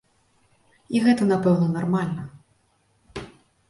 І гэта, напэўна, нармальна.